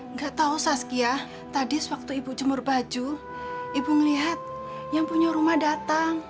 nggak tahu saskia tadi sewaktu ibu jemur baju ibu melihat yang punya rumah datang